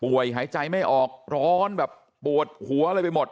หายใจไม่ออกร้อนแบบปวดหัวอะไรไปหมด